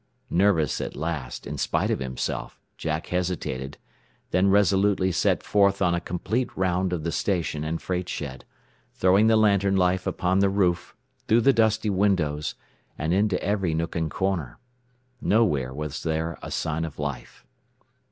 Nervous at last, in spite of himself, Jack hesitated, then resolutely set forth on a complete round of the station and freight shed, throwing the lantern light upon the roof, through the dusty windows, and into every nook and corner. Nowhere was there a sign of life.